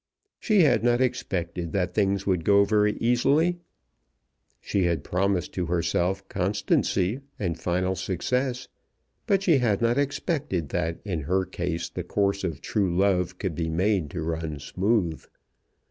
She had not expected that things would go very easily. She had promised to herself constancy and final success; but she had not expected that in her case the course of true love could be made to run smooth.